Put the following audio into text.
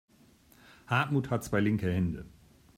Hartmut hat zwei linke Hände.